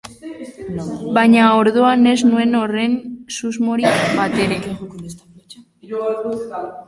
Baina orduan ez nuen horren susmorik batere.